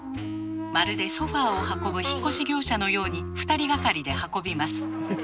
まるでソファーを運ぶ引っ越し業者のように２人がかりで運びます。